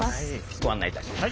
ご案内いたします。